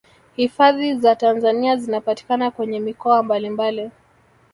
hifadhi za tanzania zinapatikana kwenye mikoa mbalimbali